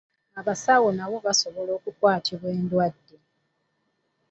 Abasawo nabo basobola okukwatibwa endwadde.